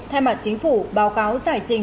thay mặt chính phủ báo cáo giải trình